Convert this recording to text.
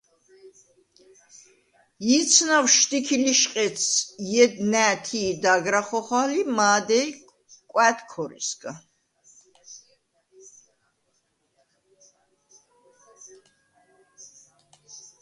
ი̄ცნავშ შდიქი ლიშყედს ჲედ ნა̄̈თი̄ დაგრა ხოხალ ი მა̄დეი̄ − კვა̈დ ქორისგა.